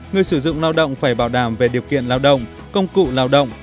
người sử dụng lao động phải bảo đảm về điều kiện lao động công cụ lao động